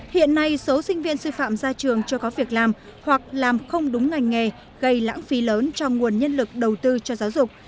hiện nay số sinh viên sư phạm ra trường chưa có việc làm hoặc làm không đúng ngành nghề gây lãng phí lớn cho nguồn nhân lực đầu tư cho giáo dục